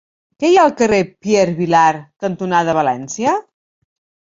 Què hi ha al carrer Pierre Vilar cantonada València?